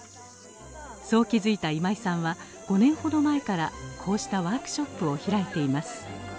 そう気付いた今井さんは５年ほど前からこうしたワークショップを開いています